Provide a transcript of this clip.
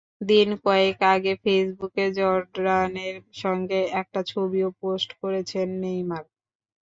দিন কয়েক আগে ফেসবুকে জর্ডানের সঙ্গে একটা ছবিও পোস্ট করেছেন নেইমার।